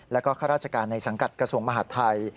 แล้วก็ข้าราชการในสังกัดกระทรวงมหาดไทย